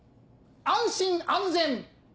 安心安全！